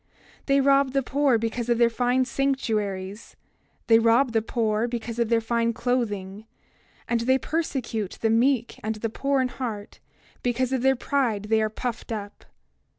28:13 They rob the poor because of their fine sanctuaries; they rob the poor because of their fine clothing; and they persecute the meek and the poor in heart, because in their pride they are puffed up.